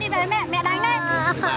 đóng tay nó